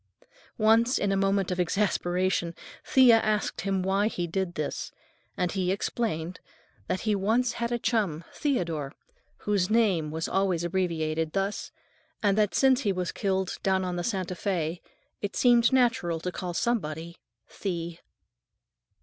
Once, in a moment of exasperation, Thea asked him why he did this, and he explained that he once had a chum, Theodore, whose name was always abbreviated thus, and that since he was killed down on the Santa Fé, it seemed natural to call somebody "Thee."